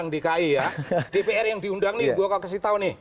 dpr yang diundang ini saya akan kasih tahu nih